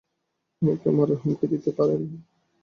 আমাকে মারার হুমকি দিতে পারেন।